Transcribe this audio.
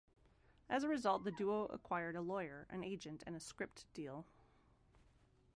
As a result, the duo acquired a lawyer, an agent, and a script deal.